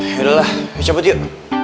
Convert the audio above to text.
yaudahlah yuk cabut yuk